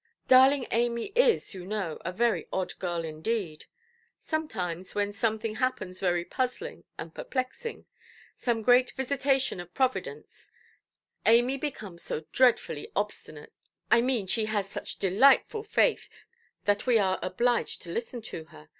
"Darling Amy is, you know, a very odd girl indeed. Sometimes, when something happens very puzzling and perplexing, some great visitation of Providence, Amy becomes so dreadfully obstinate, I mean she has such delightful faith, that we are obliged to listen to her.